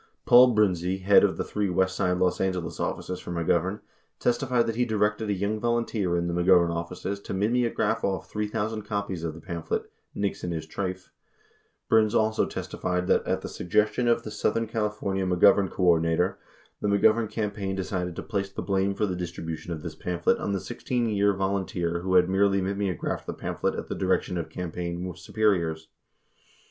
39 Paul Brindze, head of three West Side Los Angeles offices for Mc Govern, testified that he directed a young volunteer in the McGovern offices to mimeograph off 3,000 copies of the pamphlet "Nixon is Treyf," 40 Brindze also testified that at the suggestion of the southern California McGovern coordinator, the McGovern campaign decided to place the blame for the distribution of this pamphlet on the 16 year volunteer who had merely mimeographed the pamphlet at the direction of campaign superiors.